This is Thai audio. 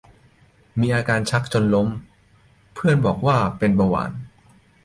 มีอาการชักจนล้มเพื่อนบอกเป็นเบาหวาน